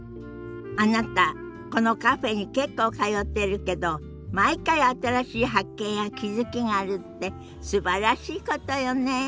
あなたこのカフェに結構通ってるけど毎回新しい発見や気付きがあるってすばらしいことよね。